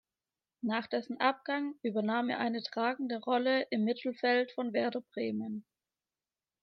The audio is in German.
Nach dessen Abgang übernahm er eine tragende Rolle im Mittelfeld von Werder Bremen.